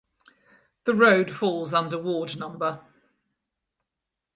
The road falls under Ward no.